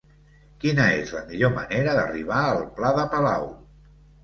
Quina és la millor manera d'arribar al pla de Palau?